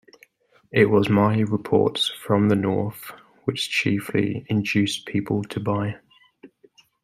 It was my reports from the north which chiefly induced people to buy.